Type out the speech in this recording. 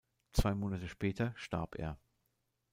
Zwei Monate später starb er.